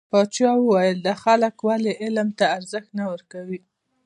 پاچا وويل: دا خلک ولې علم ته ارزښت نه ورکوي .